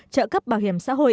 trợ cấp bảo hiểm xã hội